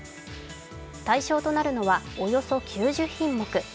対象となるのはおよそ９０品目。